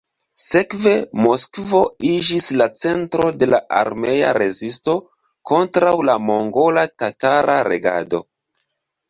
Sekve Moskvo iĝis la centro de la armea rezisto kontraŭ la mongola-tatara regado.